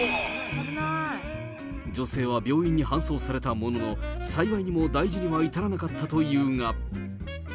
女性は病院に搬送されたものの、幸いにも大事には至らなかったというが。